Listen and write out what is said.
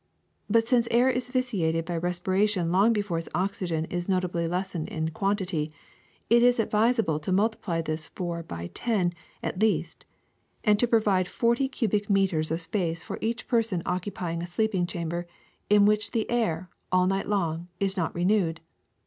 But since air is vitiated by respiration long before its oxygen is notably les sened in quantity, it is advisable to multiply this four by ten at least and to provide forty cubic meters 310 THE SECRET OF EVERYDAY THINGS of space for each person occupying a sleeping cham ber in which the air, all night long, is not renewed.